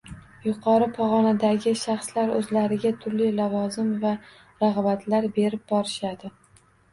Yuqori pog‘onadagi shaxslar o‘zlariga turli lavozim va rag‘batlar berib borishadi